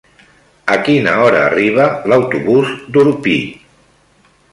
A quina hora arriba l'autobús d'Orpí?